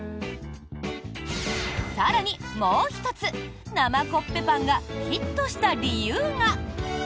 更に、もう１つ生コッペパンがヒットした理由が。